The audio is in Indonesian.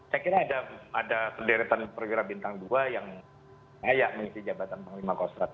saya kira ada penderitaan perwira bintang dua yang kaya mengisi jabatan panglima kosrat